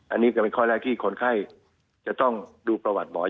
อันนี้ก็เป็นข้อแรกที่คนไข้จะต้องดูประวัติหมอ